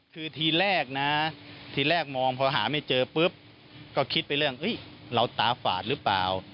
คือทีแรกนะทีแรกมองพอหาไม่เจอปุ๊บก็คิดไปเรื่องเราตาฝาดหรือเปล่า